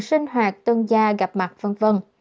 sinh hoạt tân gia gặp mặt v v